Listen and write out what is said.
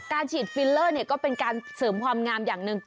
ฉีดฟิลเลอร์ก็เป็นการเสริมความงามอย่างหนึ่ง